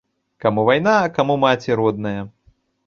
Каму вайна, а каму маці родная!